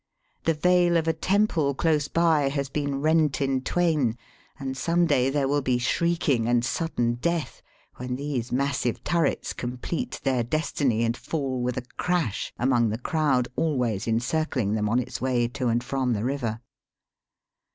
The veil of a temple close by has been rent in twain, and some day there will be shrieking and sudden death when these massive turrets complete their destiny and fall with a crash among the crowd always en circling them on its way to and from the river.